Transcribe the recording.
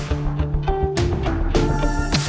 ya kasihan cus